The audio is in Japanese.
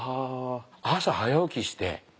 朝早起きして。